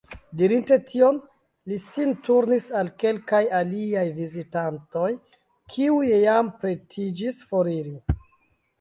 Dirinte tion, li sin turnis al kelkaj aliaj vizitantoj, kiuj jam pretiĝis foriri.